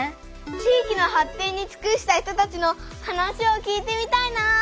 地域の発展につくした人たちの話を聞いてみたいな！